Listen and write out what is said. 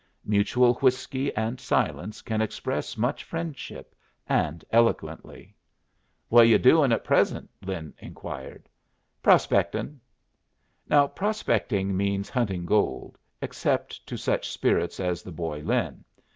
Mutual whiskey and silence can express much friendship, and eloquently. "What are yu' doing at present?" Lin inquired. "Prospectin'." Now prospecting means hunting gold, except to such spirits as the boy Lin.